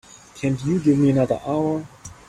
Can't you give me another hour?